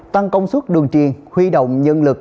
tăng công suất đường triền huy động nhân lực